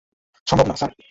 সম্ভব না, স্যার।